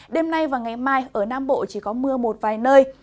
đêm nay và ngày mai ở nam bộ chỉ có mưa một vài nơi